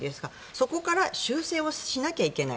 そこから修正をしなきゃいけない。